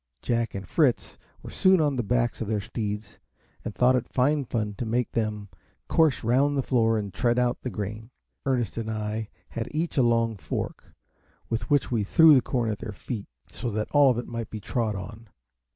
Jack and Fritz were soon on the backs of their steeds, and thought it fine fun to make them course round the floor and tread out the grain. Ernest and I had each a long fork, with which we threw the corn at their feet, so that all of it might be trod on.